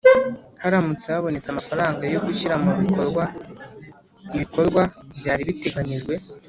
haramutse habonetse amafaranga yo gushyira mu bikorwa ibikorwa byari biteganyijwe